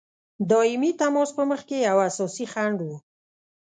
دایمي تماس په مخکي یو اساسي خنډ وو.